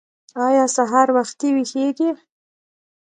ایا سهار وختي ویښیږئ؟